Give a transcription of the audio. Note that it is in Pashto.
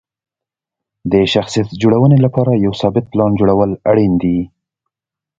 د شخصیت جوړونې لپاره یو ثابت پلان جوړول اړین دي.